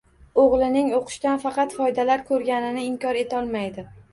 O'g'lining o'qishidan faqat foydalar ko'rganini inkor etolmaydi.